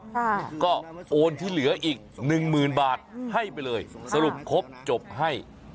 ค่ะก็โอนที่เหลืออีกหนึ่งหมื่นบาทให้ไปเลยสรุปครบจบให้